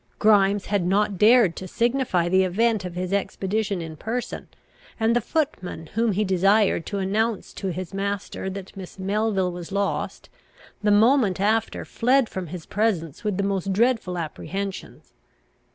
Grimes had not dared to signify the event of his expedition in person, and the footman whom he desired to announce to his master that Miss Melville was lost, the moment after fled from his presence with the most dreadful apprehensions.